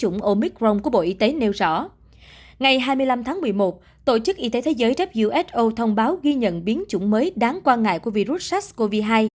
ngày hai mươi năm tháng một mươi một tổ chức y tế thế giới who thông báo ghi nhận biến chủng mới đáng quan ngại của virus sars cov hai